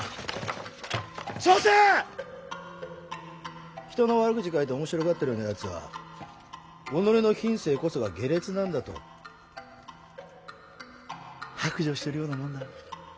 所詮人の悪口書いて面白がっとるようなやつは己の品性こそが下劣なんだと白状してるようなもんだわ。